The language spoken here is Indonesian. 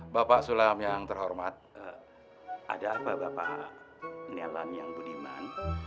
bapak sulam yang terhormat ada apa bapak nella niang budiman